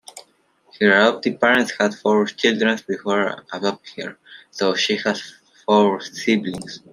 Her adoptive parents had four children before adopting her, so she has four siblings.